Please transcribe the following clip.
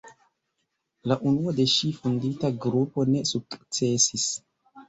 La unua de ŝi fondita grupo ne sukcesis.